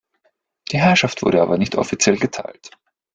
Die Herrschaft wurde aber nicht offiziell geteilt.